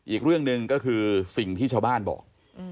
อีกเรื่องหนึ่งก็คือสิ่งที่ชาวบ้านบอก